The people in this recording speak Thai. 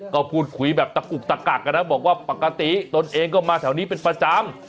ก็พูดคุยแบบตะกุกตะกักนะบอกว่าปกติตนเองก็มาแถวนี้เป็นประจำ